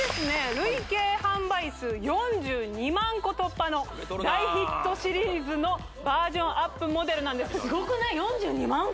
累計販売数４２万個突破の売れとるな大ヒットシリーズのバージョンアップモデルなんです４２万